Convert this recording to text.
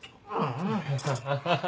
ハハハハ。